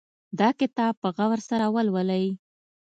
دا کتاب په غور سره ولولئ